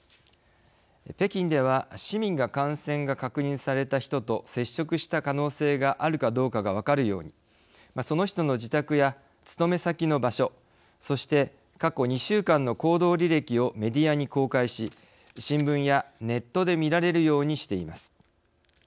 北京では市民が感染が確認された人と接触した可能性があるかどうかが分かるようにその人の自宅や勤め先の場所そして過去２週間の行動履歴をメディアに公開し新聞やネットで見られるようにしています。